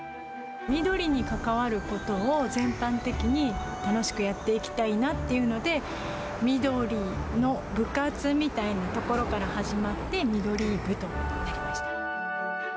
緑に関わることを全般的に楽しくやっていきたいなっていうので、緑の部活みたいなところから始まって、ミドリブとなりました。